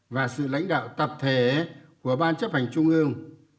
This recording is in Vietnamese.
và sự lãnh đạo tập thể của ban chấp hành trung ương